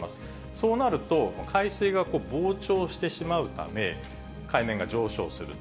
そうなると、海水が膨張してしまうため、海面が上昇する。